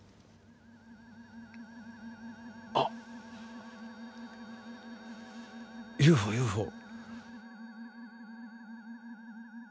あっＵＦＯＵＦＯ！